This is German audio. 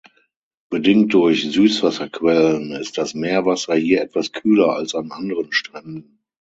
Bedingt durch Süßwasserquellen ist das Meerwasser hier etwas kühler als an anderen Stränden.